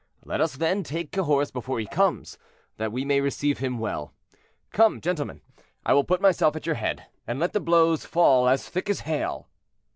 Let us, then, take Cahors before he comes, that we may receive him well. Come, gentlemen, I will put myself at your head, and let the blows fall as thick as hail."